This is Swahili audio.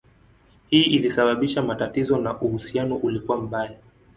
Hii ilisababisha matatizo na uhusiano ulikuwa mbaya.